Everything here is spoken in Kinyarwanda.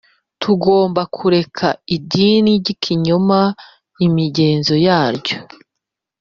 Tugomba kureka idini ry ikinyoma imigenzo yaryo